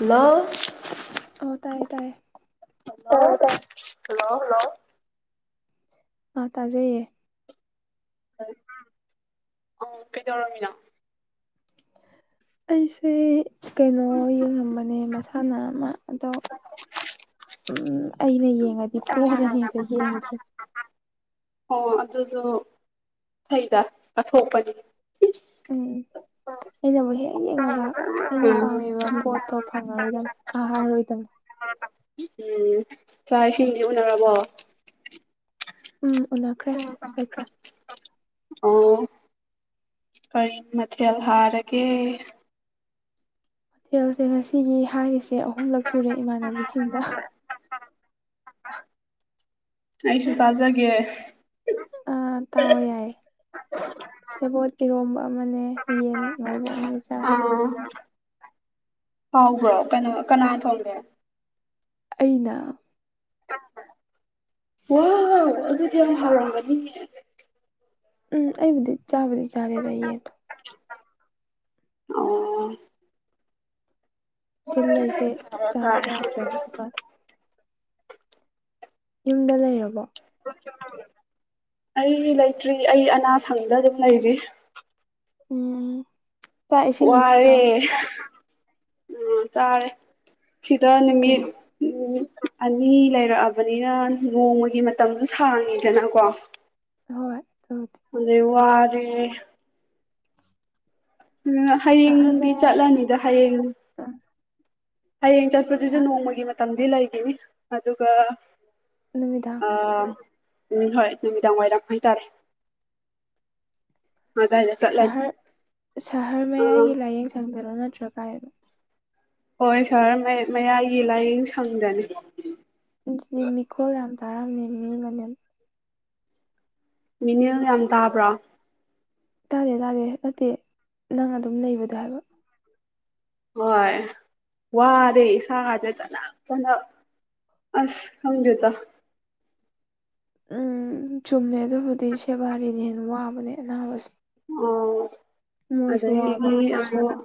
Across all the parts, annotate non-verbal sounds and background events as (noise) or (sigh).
hello ꯑꯣ ꯇꯥꯏꯌꯦ ꯇꯥꯏꯌꯦ (unintelligible) ꯇꯥꯏ ꯍꯜꯂꯣ ꯍꯜꯂꯣ ꯑꯥ ꯇꯥꯖꯩꯌꯦ (unintelligible) ꯀꯩꯗꯧꯔꯝꯃꯤꯅꯣ ꯑꯩꯁꯦ ꯀꯩꯅꯣ ꯌꯦꯡꯉꯝꯕꯅꯦ ꯃꯁꯥꯟꯅ ꯑꯃ ꯑꯗꯣ (inaudible) ꯎꯝ ꯑꯩꯅ ꯌꯦꯡꯉꯗꯤ ꯄꯣꯔꯅꯤꯅ ꯌꯦꯡꯗ꯭ꯔꯦ ꯑꯣ ꯑꯗꯨꯁꯨ ꯐꯩꯗ ꯀꯠꯊꯣꯛꯄꯅꯤ ꯎꯝ ꯑꯩꯅꯕꯨ ꯍꯦꯛ ꯌꯦꯡꯉꯕ ꯑꯩꯅ ꯎꯝ ꯄꯥꯝꯃꯤꯕ ꯄꯣꯠꯇꯣ ꯐꯪꯉꯔꯣꯏꯗꯝꯅꯦ ꯀꯥꯔꯔꯣꯏꯗꯝ ꯎꯝ ꯆꯥꯛ ꯏꯁꯤꯡꯗꯤ ꯎꯟꯅꯔꯕꯣ ꯎꯝ ꯎꯟꯅꯈ꯭ꯔꯦ ꯂꯣꯏꯈ꯭ꯔꯦ ꯑꯣ ꯀꯔꯤ ꯃꯊꯦꯜ ꯍꯥꯔꯒꯦ ꯍꯣꯊꯦꯜꯁꯦ ꯉꯁꯤꯒꯤ ꯍꯥꯏꯔꯤꯁꯦ ꯑꯍꯨꯝꯂꯛ ꯁꯨꯔꯦ ꯏꯃꯥꯟꯅꯕꯤꯁꯤꯡꯗ ꯑꯩꯁꯨ ꯇꯥꯖꯒꯦ ꯑ ꯇꯥꯎꯑꯣ ꯌꯥꯏꯌꯦ ꯁꯦꯕꯣꯠ ꯏꯔꯣꯝꯕ ꯑꯃꯅꯦ ꯌꯦꯟ ꯉꯧꯕ ꯑꯃꯅꯦ ꯆꯥꯏ ꯑꯥ ꯍꯥꯎꯕ꯭ꯔꯣ ꯀꯅꯥ ꯀꯅꯥ ꯊꯣꯡꯒꯦ ꯑꯩꯅ ꯋꯥꯎ ꯑꯗꯨꯗꯤ ꯌꯥꯝ ꯍꯥꯎꯔꯝꯒꯅꯤꯌꯦ ꯎꯝ ꯑꯩꯕꯨꯗꯤ ꯆꯥꯕꯨꯗꯤ ꯆꯥꯔꯦꯗ ꯌꯦꯗꯣ ꯑꯣ ꯆꯤꯜ ꯂꯩꯁꯦ ꯆꯥꯕ ꯌꯥꯗ꯭ꯔꯦ ꯍꯧꯖꯤꯛꯀꯥꯟ ꯌꯨꯝꯗ ꯂꯩꯔꯕꯣ ꯑꯩ ꯂꯩꯇ꯭ꯔꯤ ꯑꯩ ꯑꯅꯥ ꯁꯪꯗ ꯗꯨꯝ ꯂꯩꯔꯤ ꯎꯝ ꯆꯥꯛ ꯏꯁꯤꯡꯗꯤ ꯆꯥꯔꯕꯣ ꯋꯥꯔꯦ ꯑ ꯆꯥꯔꯦ ꯁꯤꯗ ꯅꯨꯃꯤꯠ ꯀꯩ ꯎꯝ ꯑꯅꯤ ꯂꯩꯔꯛꯑꯕꯅꯤꯅ ꯅꯣꯡꯃꯒꯤ ꯃꯇꯝꯁꯨ ꯁꯥꯡꯉꯤꯗꯅꯀꯣ ꯍꯣꯏ ꯑꯗꯨꯕꯨꯗꯤ ꯑꯗꯩ ꯋꯥꯔꯦ ꯁꯍꯔ ꯍꯌꯦꯡꯗꯤ ꯃꯌꯥꯏ ꯆꯠꯂꯅꯤꯗ ꯍꯌꯦꯡ ꯑ ꯍꯌꯦꯡ ꯆꯠꯄꯁꯤꯁꯨ ꯁ ꯅꯣꯡꯃꯒꯤ ꯃꯇꯝꯗꯤ ꯂꯩꯒꯤꯅꯤ ꯑꯗꯨꯒ ꯅꯨꯃꯤꯗꯥꯥꯡ ꯑꯥ ꯎꯝ ꯍꯣꯏ ꯅꯨꯃꯤꯗꯥꯡ ꯋꯥꯏꯔꯝ ꯍꯥꯏꯇꯥꯔꯦ ꯑꯗꯨꯋꯥꯏꯗ ꯆꯠꯂꯅꯤ ꯁꯍ꯭ꯔ ꯁꯍ꯭ꯔ ꯑꯥ ꯃꯌꯥꯏꯒꯤ ꯂꯥꯏꯌꯦꯡ ꯁꯪꯗꯔꯣ ꯅꯠꯇ꯭ꯔ ꯀꯥꯏꯗꯅꯣ ꯍꯣꯏ ꯁꯥꯔ ꯃ ꯃꯌꯥꯒꯤ ꯂꯥꯏꯌꯦꯡ ꯁꯪꯗꯅꯤ (unintelligible) ꯃꯤꯀꯣꯜ ꯌꯥꯝ ꯇꯥꯔꯝꯃꯦ ꯃꯤ ꯃꯅꯝ ꯃꯤꯅꯤꯜ ꯌꯥꯝ ꯇꯥꯕ꯭ꯔꯣ ꯇꯥꯗꯦ ꯇꯥꯗꯦ ꯅꯠꯇꯦ ꯅꯪ ꯑꯗꯨꯝ ꯂꯩꯕꯗꯣ ꯍꯥꯏꯕ ꯍꯣꯏ ꯋꯥꯔꯦ ꯏꯁꯥꯒꯁꯦ ꯆꯅꯞ ꯆꯅꯞ ꯑ꯭ꯁ ꯈꯪꯗꯦꯗ ꯎꯝ ꯆꯨꯝꯃꯦ ꯑꯗꯨꯕꯨꯗꯤ ꯁꯦꯕꯥꯔꯤꯅ ꯍꯦꯟ ꯋꯥꯕꯅꯦ ꯑꯅꯥꯕꯁꯦ ꯑꯣ ꯃꯣꯏꯁꯨ ꯑꯗꯒꯤ ꯋꯥꯕ ꯑꯩꯈꯣꯏꯁꯨ ꯑꯃꯨꯛ ꯋꯥꯕ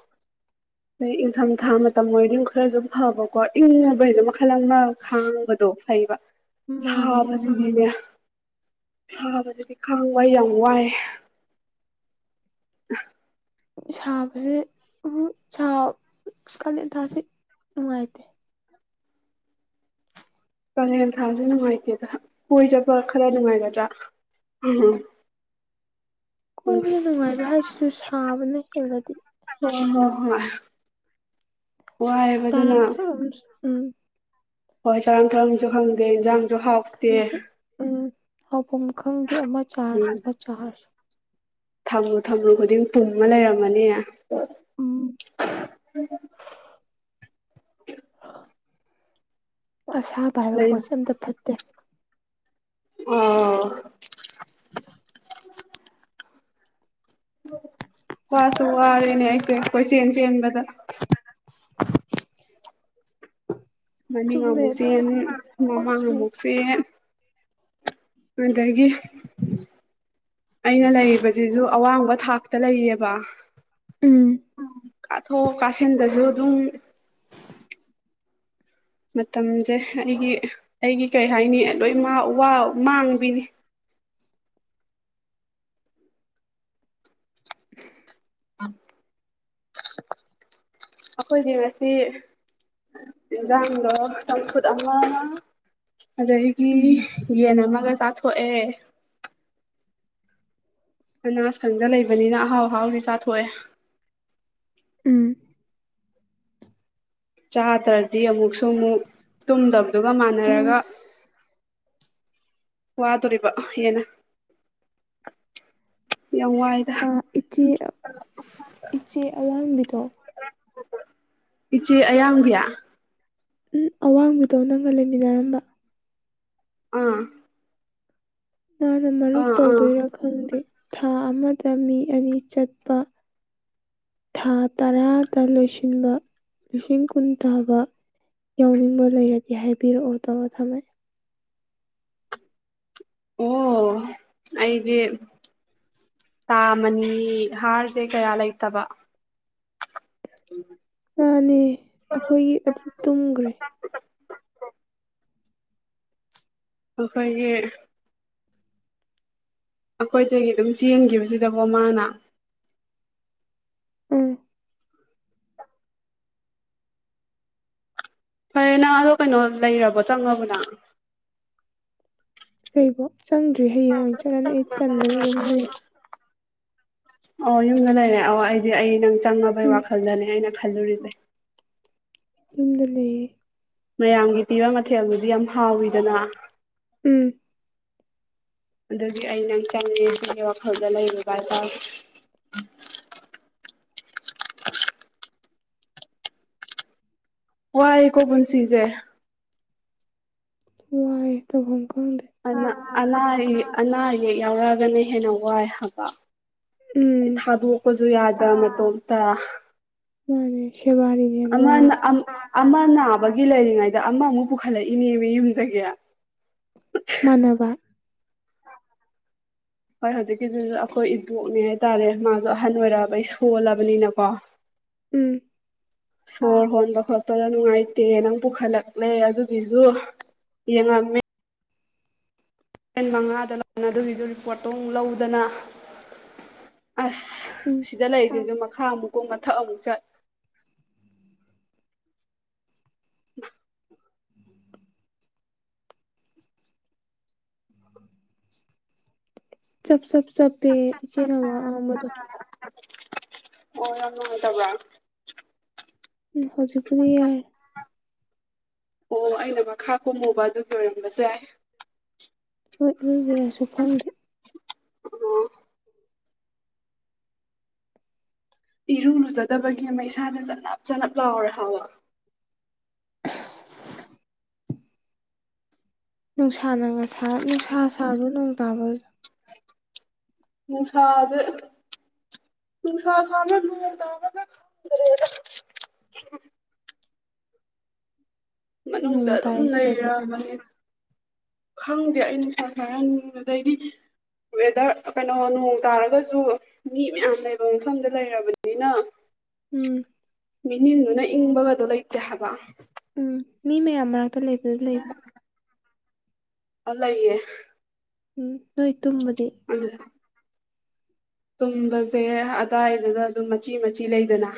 ꯑ ꯏꯪꯊꯝꯊꯥ ꯃꯇꯝ ꯑꯣꯏꯔꯗꯤ ꯃ ꯈꯔꯁꯨ ꯐꯕꯀꯣ ꯏꯪ (unintelligible) (unintelligible) ꯈꯥꯡꯕꯗꯣ ꯐꯩꯕ ꯃꯥꯅꯦ ꯁꯥꯕꯁꯤꯗꯤꯅꯦ ꯁꯥꯕ ꯁꯤꯗꯤ ꯈꯥꯡ ꯑꯩ ꯌꯥꯝ ꯋꯥꯏ (unintelligible) ꯁꯥꯕꯁꯦ ꯎꯝ ꯁꯥ ꯀꯥꯂꯦꯟ ꯊꯥꯁꯦ ꯅꯨꯡꯉꯥꯏꯇꯦ ꯀꯥꯂꯦꯟ ꯊꯥꯁꯦ ꯅꯨꯡꯉꯥꯏꯇꯦꯗ ꯀꯣꯏ ꯆꯠꯄ ꯈ꯭ꯔ ꯅꯨꯡꯉꯥꯏꯒꯗ꯭ꯔꯥ (unintelligible) ꯍꯣꯏ ꯀꯣꯏꯕꯗ ꯅꯨꯡꯉꯥꯏꯕ ꯍꯥꯏꯁꯤꯁꯨ ꯁꯥꯕꯅꯦ ꯈꯔꯗꯤ ꯍꯣꯏ ꯍꯣꯏ ꯍꯣꯏ ꯋꯥꯏꯕ ꯑꯗꯨꯅ ꯆꯥꯔꯝ ꯊꯛꯔꯝ ꯎꯝ ꯍꯣꯏ ꯆꯥꯔꯝ ꯊꯛꯂꯝꯁꯨ ꯈꯪꯗꯦ ꯏꯟꯖꯥꯡꯁꯨ ꯍꯥꯎꯇꯦ ꯍꯥꯎꯐꯝ ꯈꯪꯗꯦ ꯑꯃ ꯆꯥꯔꯁꯨ ꯎꯝ ꯑꯃ ꯆꯥꯔꯁꯨ ꯊꯝꯂꯨ ꯊꯝꯂꯨ ꯈꯨꯗꯤꯡ ꯄꯨꯝꯃ ꯂꯩꯔꯝꯃꯅꯤ ꯎꯝ (unintelligible) ꯑꯁꯥꯕ ꯍꯥꯏꯕ ꯂꯩ ꯄꯣꯠꯁꯦ ꯑꯝꯇ ꯐꯠꯇꯦ ꯑꯣ (inaudible) ꯋꯥꯁꯨ ꯋꯥꯔꯦꯅꯦ ꯑꯩꯁꯦ ꯀꯣꯏꯆꯦꯟ ꯆꯦꯟꯕꯗ (inaudible) ꯃꯅꯤꯡ ꯆꯨꯝꯃꯦ ꯑꯃꯨꯛ ꯑꯗꯨꯕꯨꯗꯤ ꯆꯦꯟꯅꯤ ꯃꯃꯥꯡ ꯋꯥꯁꯤꯡ ꯑꯃꯨꯛ ꯆꯦꯟ ꯑꯥꯗꯒꯤ ꯑꯩꯅ ꯂꯩꯔꯤꯕꯖꯤꯁꯨ ꯑꯋꯥꯡꯕ ꯊꯥꯛꯇ ꯂꯩꯌꯦꯕ ꯎꯝ ꯀꯥꯊꯣꯛ ꯀꯥꯥꯁꯤꯟꯗꯁꯨ ꯑꯗꯨꯝ ꯃꯇꯝꯁꯦ ꯑꯩꯒꯤ ꯑꯩꯒꯤ ꯀꯩ ꯍꯥꯏꯅꯤ ꯂꯣꯏ ꯃꯥ ꯋꯥꯎ ꯃꯥꯡꯕꯤꯅꯤ (inaudible) (inaudible) ꯑꯈꯣꯏꯗꯤ ꯉꯁꯤ ꯏꯟꯖꯥꯡꯗꯣ ꯆꯝꯐꯨꯠ ꯑꯃ ꯑꯗꯒꯤ ꯎꯝ ꯌꯦꯟ ꯑꯃꯒ ꯆꯥꯊꯣꯛꯑꯦ ꯑꯅꯥ ꯑꯅꯥꯁꯪꯗ ꯂꯩꯕꯅꯤꯅ ꯑꯍꯥꯎ ꯑꯍꯥꯎꯗꯤ ꯆꯥꯊꯣꯛꯑꯦ ꯎꯝ ꯆꯥꯗ꯭ꯔꯗꯤ ꯑꯃꯨꯛꯁꯨ ꯃꯨꯛ ꯇꯨꯝꯗ꯭ꯕꯗꯨꯒ ꯃꯥꯟꯅꯔꯒ ꯑꯁ ꯋꯥꯗꯣꯔꯤꯕ ꯌꯦꯅ ꯑꯥ ꯏꯆꯦ ꯏꯆꯦ ꯑꯋꯥꯥꯡꯕꯤꯗꯣ ꯏꯆꯦ ꯑꯌꯥꯡꯕꯤ ꯎꯝ ꯑꯋꯥꯡꯕꯤꯗꯣ ꯅꯪꯒ ꯂꯩꯃꯤꯟꯅꯔꯝꯕ ꯑꯥ ꯃꯥꯅ ꯃꯔꯨꯞ ꯑꯥ ꯑꯥ ꯇꯧꯗꯣꯏꯔꯥ ꯈꯪꯗꯦ ꯊꯥ ꯑꯃꯗ ꯃꯤ ꯑꯅꯤ ꯆꯠꯄ ꯊꯥ ꯇꯔꯥꯗ ꯂꯣꯏꯁꯤꯟꯕ ꯂꯤꯁꯤꯡ ꯀꯨꯟ ꯇꯥꯕ ꯌꯥꯎꯅꯤꯡꯕ ꯂꯩꯔꯗꯤ ꯍꯥꯏꯕꯤꯔꯛꯑꯣ ꯇꯧꯔꯥ ꯊꯝꯃꯛꯑꯦ ꯑꯣ ꯑꯩꯗꯤ ꯇꯥ ꯃꯅꯤ ꯍꯥꯔꯁꯦ ꯀꯌꯥ ꯂꯩꯇꯕ ꯃꯥꯅꯦ ꯑꯈꯣꯏꯒꯤ ꯑꯗꯨ ꯇꯨꯝꯒ꯭ꯔꯦ ꯑꯈꯣꯏꯒꯤ ꯑꯈꯣꯏꯗꯒꯤ ꯑꯗꯨꯝ ꯆꯦꯟꯒꯤꯕꯁꯤꯗꯕꯣ ꯃꯥꯅ ꯎꯝ ꯐꯔꯦ ꯅꯪ ꯑꯗꯣ ꯀꯩꯅꯣ ꯂꯩꯔꯕꯣ ꯆꯪꯉꯕꯣ ꯅꯪ ꯑꯩꯕꯣ ꯆꯪꯗ꯭ꯔꯤ ꯍꯌꯦꯡ ꯑꯣꯏ ꯆꯠꯂꯅꯤ ꯑꯩ ꯇꯟꯗꯅ ꯑꯗꯨꯝ ꯂꯩ ꯑꯣ ꯌꯨꯝꯗ ꯂꯩꯔꯦ ꯑꯣ ꯑꯩꯗꯤ ꯑꯩ ꯅꯪ ꯆꯪꯉꯕꯩ ꯎꯝ ꯋꯥꯈꯜꯗꯅꯦ ꯑꯩꯅ ꯈꯜꯂꯨꯔꯤꯁꯦ ꯌꯨꯝꯗ ꯂꯩ ꯃꯌꯥꯝꯒꯤ ꯄꯤꯕ ꯃꯊꯦꯜꯗꯨꯗꯤ ꯌꯥꯝ ꯍꯥꯎꯋꯤꯗꯅ ꯎꯝ (unintelligible) ꯑꯗꯨꯒꯤ ꯑꯩ ꯅꯪ ꯆꯪꯉꯦꯁꯤ ꯋꯥꯈꯜꯗ ꯂꯩꯔꯨꯕ ꯍꯥꯏ ꯇꯥꯔꯦ (unintelligible) ꯋꯥꯏꯌꯦꯀꯣ ꯄꯨꯟꯁꯤꯖꯦ ꯋꯥꯏ ꯇꯧꯕꯝꯈꯪꯗ ꯑꯅꯥ ꯑꯅꯥ ꯑꯌꯦ ꯑꯅꯥ ꯑꯌꯦꯛ ꯌꯥꯎꯔꯛꯑꯒꯅ ꯍꯦꯟꯅ ꯋꯥꯏ ꯍꯥꯕ ꯎꯝ ꯊꯥꯗꯣꯛꯄꯁꯨ ꯌꯥꯗ ꯃꯇꯣꯝꯇ ꯃꯅꯦ ꯁꯦꯕꯥꯔꯤꯅ ꯍꯦꯟ ꯋꯥꯏ ꯑꯃꯅ ꯑꯃ ꯅꯥꯕꯒꯤ ꯂꯩꯔꯤꯉꯩꯗ ꯑꯃꯃꯨꯛ ꯄꯨꯈꯠꯂꯛꯏꯅꯦꯅꯤ ꯌꯨꯝꯗꯒꯤ ꯃꯥꯟꯅꯕ (inaudible) ꯍꯣꯏ ꯍꯧꯖꯤꯛꯀꯤꯗꯨꯁꯨ ꯑꯩꯈꯣꯏ ꯏꯟꯕꯣꯛꯅꯦ ꯍꯥꯏꯇꯥꯔꯦ ꯃꯥꯖꯨ ꯑꯍꯟ ꯑꯣꯏꯔꯛꯑꯕꯩ ꯁꯣꯜꯂꯕꯅꯤꯅꯀꯣ ꯎꯝ ꯁꯣꯔ ꯍꯣꯟꯕ ꯈꯣꯠꯄꯗ ꯅꯨꯡꯉꯥꯏꯇꯦ ꯅꯪ ꯄꯨꯈꯠꯂꯛꯂꯦ ꯑꯗꯨꯒꯤꯖꯨ ꯌꯦꯡꯉꯝꯃꯦ ꯑꯩꯅ ꯃꯉꯥꯗ ꯂꯥꯛꯅ ꯑꯗꯨꯒꯤꯖꯨ ꯔꯤꯄꯣꯔꯠꯇꯨꯝ ꯂꯧꯗꯅ ꯑꯁ ꯎꯝ ꯁꯤꯗ ꯂꯩꯔꯤꯖꯤꯁꯨ ꯃꯈꯥ ꯑꯃꯨꯛꯀꯨꯝ ꯃꯊꯛ ꯑꯃꯨꯛ ꯆꯠ (unintelligible) (inaudible) ꯆꯞ ꯆꯞ ꯆꯞꯄꯦ ꯏꯆꯦꯅ ꯋꯥꯉꯥꯡꯕꯗꯣ ꯑꯣ ꯌꯥꯝ ꯅꯨꯡꯉꯥꯏꯇꯕ꯭ꯔꯣ ꯎꯝ ꯍꯧꯖꯤꯛꯄꯨꯗꯤ ꯌꯥꯔꯦ ꯑꯣ ꯑꯩꯅ ꯃꯈꯥ ꯀꯣꯃꯨꯕ ꯑꯗꯨꯒꯤ ꯑꯣꯏꯔꯝꯕꯁꯨ ꯌꯥꯏ ꯍꯣꯏ ꯑꯗꯨꯒꯤꯔꯁꯨ ꯈꯪꯗꯦ ꯑꯣ ꯏꯔꯨ ꯂꯨꯖꯗꯕꯒꯤ ꯑꯃ ꯏꯁꯥꯅ ꯆꯅꯞ ꯆꯅꯞ ꯂꯥꯎꯔꯦ ꯍꯥꯕ ꯅꯨꯡꯁꯥꯅ ꯉꯁꯥ ꯅꯨꯡꯁꯥ ꯁꯥꯕ꯭ꯔ ꯅꯣꯡ ꯇꯥꯕ ꯅꯨꯡꯁꯥꯖꯦ ꯅꯨꯡꯁꯥ ꯁꯥꯕ꯭ꯔ ꯅꯣꯡ ꯇꯕ꯭ꯔꯒ ꯈꯪꯗ꯭ꯔꯦꯗ ꯅꯣꯡ ꯃꯅꯨꯡꯗ ꯑꯗꯨꯝ ꯇꯥꯏ ꯁꯤꯗꯗꯤ ꯂꯩꯔꯕꯅꯤ ꯈꯪꯗꯦ ꯑꯩ ꯅꯨꯡꯁꯥ ꯁꯥꯏꯔ ꯅꯣꯡ ꯑꯗꯩꯗꯤ ꯋꯦꯗ꯭ꯔ ꯑꯥ ꯀꯅꯣ ꯅꯣꯡ ꯇꯥꯔꯒꯁꯨ ꯃꯤ ꯃꯌꯥꯝ ꯂꯩꯕ ꯃꯐꯝꯗ ꯂꯩꯔꯕꯅꯤꯅ ꯎꯝ ꯃꯤꯅꯤꯟꯗꯨꯅ ꯏꯪꯕꯒꯗꯣ ꯂꯩꯇꯦ ꯍꯥꯕ ꯎꯝ ꯃꯤ ꯃꯌꯥꯝ ꯃꯔꯛꯇ ꯂꯩꯕꯗꯨ ꯂꯩꯕ꯭ꯔꯥ ꯑꯥ ꯂꯩꯌꯦ ꯎꯝ ꯅꯣꯏ ꯇꯨꯝꯕꯗꯤ ꯑꯗꯨ ꯇꯨꯝꯕꯁꯦ ꯑꯗꯥꯏꯗꯨꯒ ꯗꯨꯝ ꯃꯆꯤ ꯃꯆꯤ ꯂꯩꯗꯅ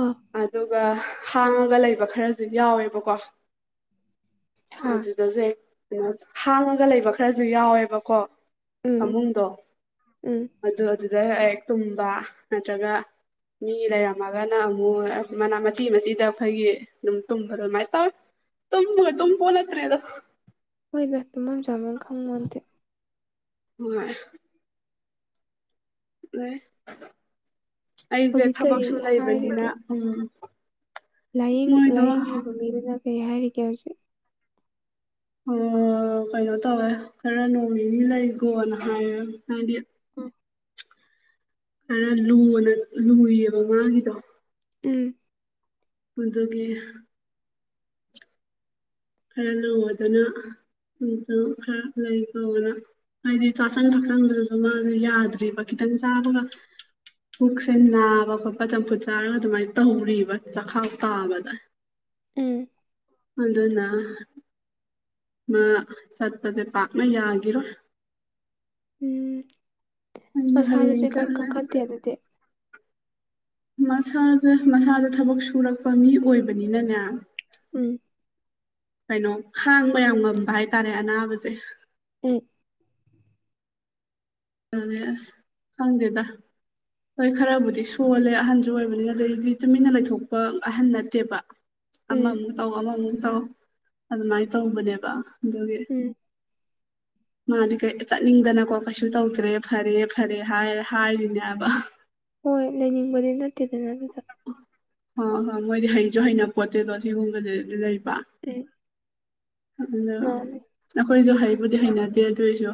ꯑꯥ ꯑꯗꯨ ꯒ ꯍꯥꯡꯉꯒ ꯂꯩꯕ ꯈꯔꯁꯨ ꯌꯥꯎꯋꯦꯕꯀꯣ ꯁꯥ ꯑꯗꯨꯗꯁꯦ ꯀꯩꯅꯣ ꯍꯥꯡꯉꯒ ꯂꯩꯕ ꯈꯔ ꯗꯨ ꯌꯥꯎꯋꯦꯕꯀꯣ ꯎꯝ ꯐꯃꯨꯡꯗꯣ ꯎꯝ ꯑꯗꯨ ꯑꯗꯨ ꯗ ꯍꯦꯛ ꯇꯨꯝꯕ ꯅꯠꯇ꯭ꯔꯒ ꯃꯤ ꯂꯩꯔꯝꯃꯒꯅ ꯑꯃꯨ ꯃꯣꯏ ꯃꯅꯥ ꯃꯆꯤ ꯃꯆꯤꯗ ꯐꯩꯒꯤ ꯗꯨꯝ ꯇꯨꯝꯕꯗꯣ ꯑꯃꯥꯏ ꯇꯧꯋꯦ ꯇꯨꯝꯕꯒ ꯇꯨꯝꯄꯣꯠ ꯅꯠꯇ꯭ꯔꯦꯗ ꯍꯣꯏꯕ ꯇꯨꯝꯕꯝ ꯆꯥꯕꯝ ꯈꯪꯕꯅꯠꯇꯦ ꯃꯣꯏ ꯑꯦ ꯑꯩꯁꯦ ꯍꯧꯖꯤꯛ ꯀꯔꯤ ꯊꯕꯛꯁꯨ ꯂꯩꯕꯅꯤꯅ ꯍꯥꯏꯔꯤꯒꯦ ꯎꯝ ꯂꯥꯏꯌꯦꯡ ꯃꯣꯏꯗꯣ ꯑꯥ ꯂꯥꯏꯌꯦꯡꯉꯤꯕ ꯃꯤꯗꯨꯅ ꯀꯩ ꯍꯥꯏꯔꯤꯒꯦ ꯍꯧꯖꯤꯛ ꯑꯣ ꯀꯩꯅꯣ ꯇꯧꯋꯦ ꯈꯔ ꯅꯣꯡ ꯅꯤ ꯂꯩꯒꯣꯅ ꯍꯥꯏꯔꯝ ꯍꯥꯏꯗꯤ ꯎꯝ ꯈꯔ ꯂꯨꯅ ꯂꯨꯏꯌꯦꯕ ꯃꯥꯒꯤꯗꯣ ꯎꯝ ꯃꯗꯨꯒꯤ ꯈꯔ ꯂꯨꯕꯗꯨꯅ ꯃꯇꯝ ꯈꯔ ꯂꯩꯈꯣꯅ ꯍꯥꯏꯗꯤ ꯆꯥꯁꯟ ꯊꯛꯆꯟꯕꯗꯨꯁꯨ ꯃꯥꯁꯦ ꯌꯥꯗ꯭ꯔꯤꯕ ꯈꯤꯇꯪ ꯆꯥꯕꯒ ꯄꯨꯛꯁꯦ ꯅꯥꯕ ꯈꯣꯠꯄ ꯆꯝꯐꯨꯠ ꯆꯥꯔꯒ ꯑꯗꯨꯃꯥꯏꯅ ꯇꯧꯔꯤꯕ ꯆꯈꯥꯎ ꯇꯥꯕꯗ ꯎꯝ ꯑꯗꯨꯅ ꯃꯥ ꯆꯠꯄꯁꯦ ꯄꯥꯛꯅ ꯌꯥꯒꯤꯔꯣꯏ ꯎꯝ ꯑꯩꯖꯨ ꯃꯁꯥꯗꯨꯁꯨ ꯍꯌꯦꯡ ꯏꯀꯟ ꯆꯠꯂꯅꯤ ꯀꯟꯈꯠꯇꯦ ꯑꯗꯨꯗꯤ ꯃꯁꯥꯁꯦ ꯃꯁꯥꯁꯦ ꯊꯕꯛ ꯁꯨꯔꯛꯄ ꯃꯤ ꯑꯣꯏꯕꯅꯤꯅꯅꯦ ꯎꯝ ꯀꯩꯅꯣ ꯈꯥꯡꯕ ꯌꯥꯝ ꯉꯝꯕ ꯍꯥꯏꯇꯥꯔꯦ ꯑꯅꯥꯕꯁꯦ ꯎꯝ ꯌꯥꯔꯦ ꯑꯁ ꯈꯪꯗꯦꯗ ꯍꯣꯏ ꯈꯔꯕꯨꯗꯤ ꯁꯣꯜꯂꯦ ꯑꯍꯟꯁꯨ ꯑꯣꯏꯕꯅꯤꯅ ꯑꯗꯩꯗꯤ ꯇꯨꯃꯤꯟꯅ ꯂꯩꯊꯣꯛꯄ ꯑꯍꯟ ꯅꯠꯇꯦꯕ ꯎꯝ ꯑꯃꯃꯨꯛ ꯇꯧ ꯑꯃꯃꯨꯛ ꯇꯧ ꯑꯗꯨꯃꯥꯏ ꯇꯧꯕꯅꯦꯕ ꯑꯗꯨꯒꯤ ꯎꯝ ꯃꯥꯗꯤ ꯀꯩ ꯆꯠꯅꯤꯡꯗꯅ ꯀꯣ ꯀꯩꯁꯨ ꯇꯧꯗ꯭ꯔꯦ ꯐꯔꯦ ꯐꯔꯦ ꯍꯥꯏꯔ ꯍꯥꯏꯔꯤꯅꯦꯕ ꯍꯣꯏ ꯂꯩꯅꯤꯡꯕꯗꯤ ꯅꯠꯇꯦꯗꯅ ꯑꯗꯨꯗ ꯍꯣ ꯍꯣ ꯃꯣꯏꯗꯤ ꯍꯩꯁꯨ ꯍꯩꯅꯄꯣꯠꯇꯦꯗꯣ ꯁꯤꯒꯨꯝꯕꯖꯦ ꯂꯩ (unintelligible) ꯎꯝ ꯑꯗꯨꯅ ꯃꯥꯅꯦ ꯑꯩꯈꯣꯏꯁꯨ ꯍꯩ ꯕꯨꯗꯤ ꯍꯩꯅꯗꯦ ꯑꯗꯨ ꯑꯣꯏꯁꯨ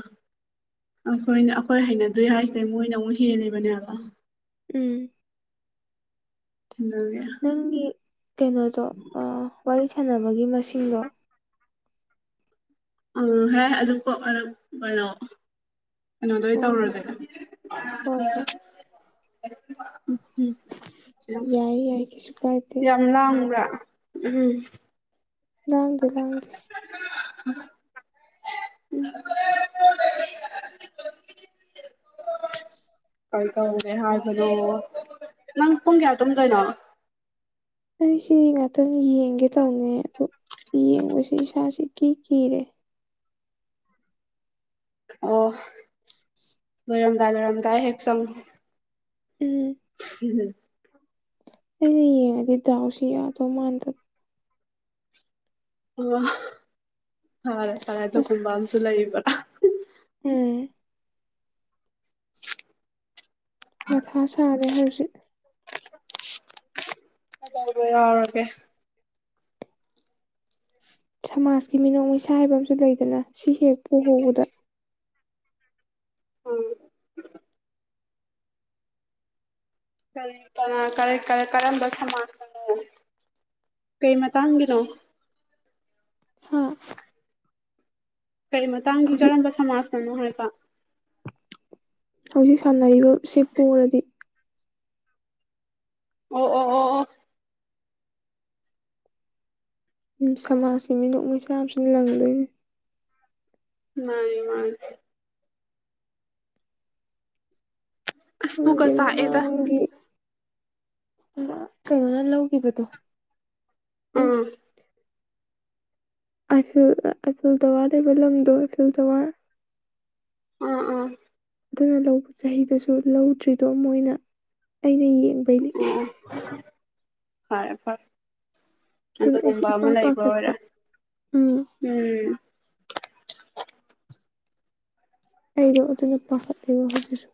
ꯑꯈꯣꯏꯅ ꯑꯈꯣꯏ ꯍꯩꯅꯗꯦ ꯍꯥꯏꯁꯦ ꯃꯣꯏꯅ ꯑꯃꯨꯛ ꯍꯦꯜꯂꯤꯕꯅꯦꯕ ꯎꯝ ꯗꯨꯒꯤ ꯅꯪꯒꯤ ꯀꯩꯅꯣꯗꯣ ꯑꯥ ꯋꯥꯔꯤ ꯁꯥꯟꯅꯕꯒꯤ ꯃꯁꯤꯡꯗꯣ ꯑ ꯍꯦ ꯑꯗꯨ ꯀꯣ ꯑꯗꯨ ꯀꯩꯅꯣ ꯀꯩꯅꯣꯗ ꯑꯣꯏ ꯎꯝ ꯇꯧꯔꯨꯔꯁꯦ ꯍꯣꯏ ꯍꯣꯏ ꯌꯥꯏ ꯌꯥꯏ ꯀꯩꯁꯨ (unintelligible) ꯀꯥꯏꯗꯦ ꯌꯥꯝ ꯂꯥꯡꯕ꯭ꯔꯥ ꯎꯝ ꯂꯥꯡꯗꯦ ꯂꯥꯡꯗꯦ (unintelligible) (unintelligible) ꯀꯩꯗꯧꯔꯦ ꯍꯥꯏꯕꯅꯣ ꯅꯪ ꯄꯨꯡ ꯀ꯭ꯌꯥꯗ ꯇꯨꯝꯗꯣꯏꯅꯣ ꯑꯩ ꯁꯤ ꯉꯥꯛꯇꯪ ꯌꯦꯡꯒꯦ ꯇꯧꯝꯅꯦ ꯑꯗꯨ ꯌꯦꯡꯕꯁꯤ ꯏꯁꯥꯁꯤ ꯏꯀꯤ ꯀꯤꯔꯦ ꯑꯣ ꯂꯣꯏꯔꯝꯗꯥꯏ ꯂꯣꯏꯔꯝꯗꯥꯏ ꯍꯦꯛ ꯆꯪ ꯎꯝ (unintelligible) ꯑꯩꯅ ꯌꯦꯡꯉꯗꯤ ꯗꯥꯎꯁꯤ ꯌꯥꯗꯧ ꯃꯥꯥꯟꯗ꯭ꯕ ꯑꯣ ꯐꯔꯦ ꯐꯔꯦ ꯑꯁ ꯑꯗꯨꯒꯨꯝꯕꯝꯁꯨ ꯂꯩꯕꯔꯥ ꯎꯝ ꯃꯊꯥ ꯁꯥꯔꯦ ꯍꯧꯖꯤꯛ ꯀꯩꯗꯧꯕ ꯌꯥꯎꯔꯒꯦ ꯁꯃꯥꯖꯀꯤ ꯃꯤꯅꯣꯛ ꯃꯩꯁꯥ ꯍꯥꯏꯕꯝꯁꯨ ꯂꯩꯗꯅ ꯁꯤ ꯍꯦꯛ ꯄꯣꯍꯧꯕꯗ (unintelligible) ꯀꯔꯤ ꯀꯅꯥ ꯀꯔ ꯀ ꯀꯔꯝꯕ ꯁꯃꯥꯖꯅꯅꯣ ꯀꯩꯃꯠ ꯇꯥꯡꯒꯤꯅꯣ ꯍꯥ ꯀꯩ ꯃꯇꯥꯡꯒꯤ ꯍꯧꯖꯤꯛ ꯀꯔꯝꯕ ꯁꯃꯥꯖꯅꯅꯣ ꯍꯥꯏꯕ ꯍꯧꯖꯤꯛ ꯁꯥꯟꯅꯔꯤꯕꯁꯤ ꯄꯣꯔꯗꯤ ꯑꯣ ꯑꯣ ꯑꯣ ꯑꯣ ꯎꯝ ꯁꯃꯥꯖꯀꯤ ꯃꯤꯅꯣꯛ ꯃꯩꯁꯥꯁꯨ ꯅꯪꯗꯣꯏꯅꯤ (unintelligible) ꯑꯁ ꯄꯨꯛꯀ ꯈꯪꯗꯦ ꯆꯥꯛꯑꯦꯗ ꯃꯃꯥꯡꯒꯤ ꯃ ꯀꯩꯅꯣꯅ ꯂꯧꯒꯤꯕꯗꯣ ꯑꯥ ꯑꯥꯏꯐꯤꯜ ꯑꯥ ꯑꯥꯏꯐꯤꯜ ꯇꯥꯋ꯭ꯔ ꯂꯩꯕ ꯂꯝꯗꯣ ꯏꯐꯤꯜ ꯇꯥꯋ꯭ꯔ ꯑꯥ ꯑꯥ ꯑꯗꯨꯅ ꯂꯧꯕ ꯆꯍꯤꯗꯁꯨ ꯂꯧꯗ꯭ꯔꯤꯗꯣ ꯃꯣꯏꯅ ꯑꯩꯅ ꯌꯦ ꯎ ꯐꯔꯦ ꯐꯔꯦ ꯑꯗꯨꯅ ꯑꯩꯁꯨ ꯑꯗꯨꯒꯨꯝꯕ ꯏꯄꯥ ꯑꯃ ꯂꯩꯕ ꯄꯥꯈꯠꯄ ꯑꯣꯏꯔꯦ ꯎꯝ ꯎꯝ ꯑꯩꯗꯣ ꯑꯗꯨꯅ ꯄꯥꯈꯠꯂꯦꯕ ꯍꯧꯖꯤꯛꯁꯨ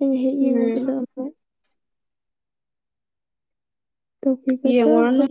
ꯑꯩꯅ ꯍꯦꯛ ꯎꯝ ꯌꯦꯡꯉꯨꯕꯗ ꯑꯃꯨꯛ (unintelligible) ꯍꯥꯏ ꯌꯦꯡꯉꯨꯔꯅꯨ